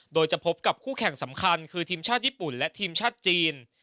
โดยจะพบกับคู่แข่งสำคัญคือทีมชาติญี่ปุ่นและทีมชาติจีน